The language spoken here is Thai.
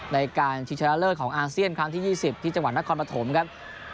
ในการชิงชนะเลิศของอาเซียนครั้งที่๒๐ที่จังหวัดนครปฐมครับ